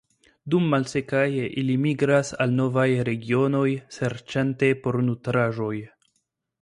Dum malsekaj ili migras al novaj regionoj serĉante por nutraĵoj.